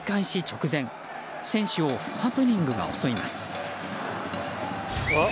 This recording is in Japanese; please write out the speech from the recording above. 直前選手をハプニングが襲います。